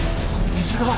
水が！？